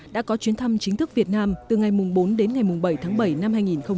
đã có chuyến thăm chính thức việt nam từ ngày bốn đến ngày bảy tháng bảy năm hai nghìn hai mươi